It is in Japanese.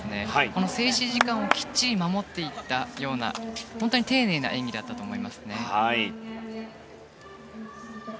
この静止時間をきっちり守っていったような気が本当に丁寧な演技だったと思います。